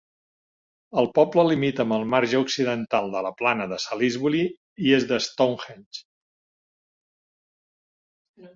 El poble limita amb el marge occidental de la plana de Salisbury, i és de Stonehenge.